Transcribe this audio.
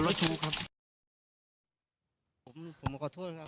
เป็นรถไทย